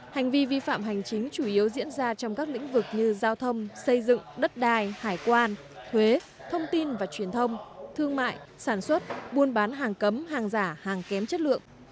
hành vi vi phạm hành chính chủ yếu diễn ra trong các lĩnh vực như giao thông xây dựng đất đai hải quan thuế thông tin và truyền thông thương mại sản xuất buôn bán hàng cấm hàng giả hàng kém chất lượng